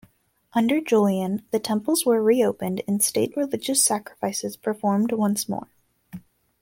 Under Julian, the temples were reopened and state religious sacrifices performed once more.